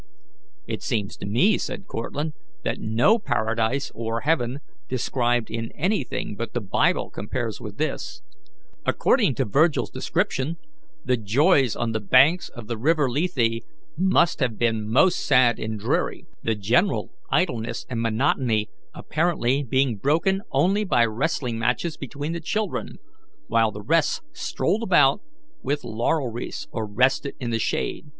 "It seems to me," said Cortlandt, "that no paradise or heaven described in anything but the Bible compares with this. According to Virgil's description, the joys on the banks of his river Lethe must have been most sad and dreary, the general idleness and monotony apparently being broken only by wrestling matches between the children, while the rest strolled about with laurel wreaths or rested in the shade.